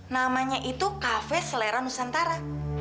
namanya itu kafe selera nusantara